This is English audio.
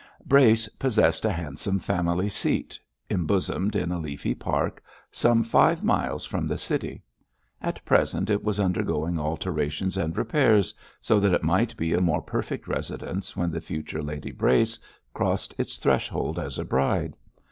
Brace possessed a handsome family seat, embosomed in a leafy park, some five miles from the city. At present it was undergoing alterations and repairs, so that it might be a more perfect residence when the future Lady Brace crossed its threshold as a bride.